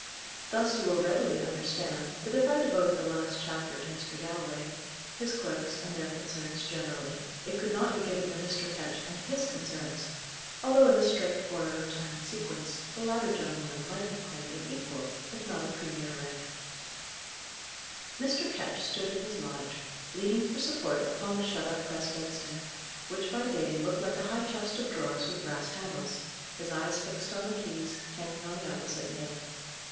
Thus you will readily understand, that if I devoted the last chapter to Mr. Galloway, his clerks and their concerns generally, it could not be given to Mr. Ketch and his concerns; although in the strict order of time and sequence, the latter gentleman might have claimed an equal, if not a premier right. Mr. Ketch stood in his lodge, leaning for support upon the shut up press bedstead, which, by day, looked like a high chest of drawers with brass handles, his eyes fixed on the keys, hanging on the opposite nail.